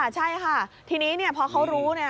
ใช่ค่ะทีนี้พอเขารู้